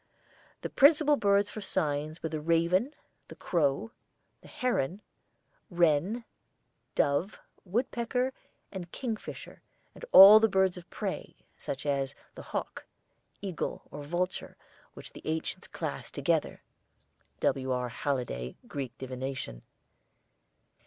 The principal birds for signs were the raven, the crow, the heron, wren, dove, woodpecker, and kingfisher, and all the birds of prey, such as the hawk, eagle, or vulture, which the ancients classed together (W. R. Halliday, "Greek Divination").